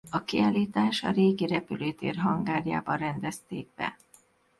A kiállítás a régi repülőtér hangárjában rendezték be.